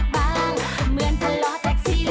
ไม่ให้มีผัวก็ได้